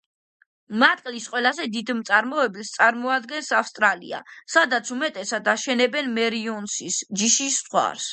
მატყლის ყველაზე დიდ მწარმოებელს წარმოადგენს ავსტრალია, სადაც უმეტესად აშენებენ მერინოსის ჯიშის ცხვარს.